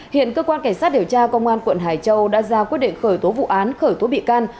hiện cơ quan cảnh sát điều tra công an quận hải châu đã ra quyết định khởi tố vụ án khởi tố bị can